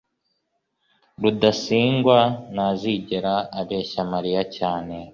rudasingwa ntazigera abeshya mariya cyane